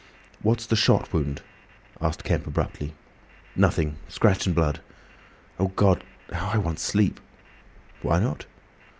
"What's the shot wound?" asked Kemp, abruptly. "Nothing—scratch and blood. Oh, God! How I want sleep!" "Why not?"